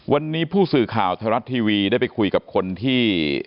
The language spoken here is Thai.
วันนี้ผู้สื่อข่าวไทยรัฐทีวีได้ไปคุยกับคนที่